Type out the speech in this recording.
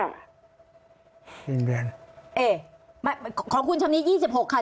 หนึ่งเดือนเอ๊ะของคุณชำนิดยี่สิบหกค่ะ